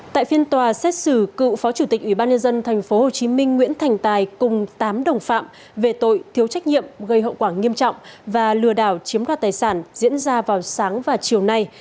tại phiên tòa xét xử cựu phó chủ tịch ủy ban nhân dân thành phố hồ chí minh nguyễn thành tài cùng tám đồng phạm về tội thiếu trách nhiệm gây hậu quả nghiêm trọng và lừa đảo chiếm ra tài sản diễn ra vào sáng và chiều nay